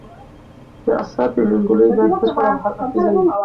د اثر پېژندګلوي باید بشپړه او هر اړخیزه وي.